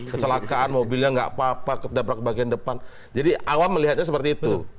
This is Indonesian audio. kecelakaan mobilnya nggak apa apa ketabrak bagian depan jadi awam melihatnya seperti itu